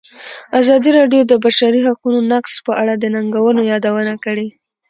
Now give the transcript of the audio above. ازادي راډیو د د بشري حقونو نقض په اړه د ننګونو یادونه کړې.